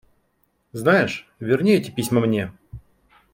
Знаешь, верни эти письма мне.